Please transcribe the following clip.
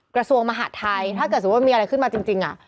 กระทรวงมหาดไทยถ้าเกิดสมมุติว่ามีอะไรขึ้นมาจริง